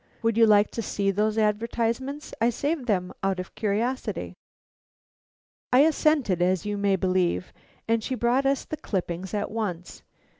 Would you like to see those advertisements? I saved them out of curiosity." I assented, as you may believe, and she brought us the clippings at once.